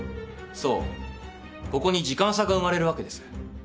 そうここに時間差が生まれるわけです。